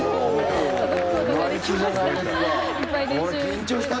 緊張した？